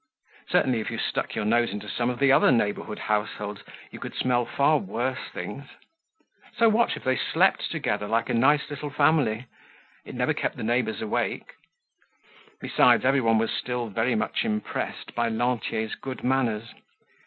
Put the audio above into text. Certainly if you stuck your nose into some of the other neighborhood households you could smell far worse things. So what if they slept together like a nice little family. It never kept the neighbors awake. Besides, everyone was still very much impressed by Lantier's good manners.